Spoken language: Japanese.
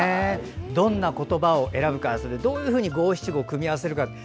どんな言葉を選ぶかどういうふうに五七五を組み合わせるか。